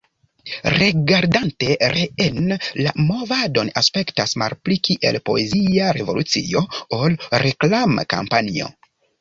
Rigardante reen, la movado aspektas malpli kiel poezia revolucio ol reklam-kampanjo.